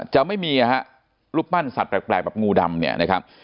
จะไม่มีนะฮะรูปปั้นสัตว์แปลกแบบงูดำเนี่ยนะครับ